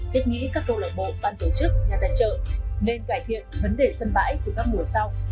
tiết nghĩ các câu lạc bộ ban tổ chức nhà tài trợ nên cải thiện vấn đề sân bãi từ các mùa sau